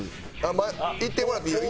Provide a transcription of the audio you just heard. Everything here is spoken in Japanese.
いってもらっていいよ。